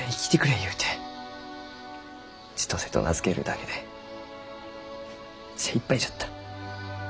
「千歳」と名付けるだけで精いっぱいじゃった。